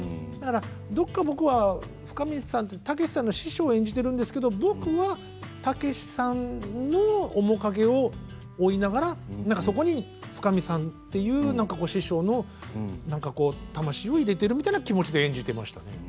僕はたけしさんの師匠を演じているんですけれど僕はたけしさんの面影を追いながらそこに深見さんという師匠の魂を入れているような感じで演じていました。